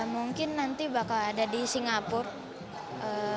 mungkin nanti bakal ada di singapura